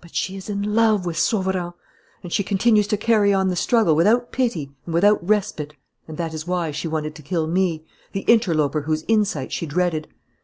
"But she is in love with Sauverand. And she continues to carry on the struggle without pity and without respite. And that is why she wanted to kill me, the interloper whose insight she dreaded.